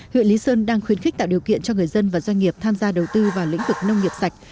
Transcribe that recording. huyện lý sơn đang khuyến khích tạo điều kiện cho người dân và doanh nghiệp tham gia đầu tư vào lĩnh vực nông nghiệp sạch